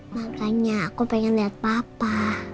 makanya aku pengen lihat papa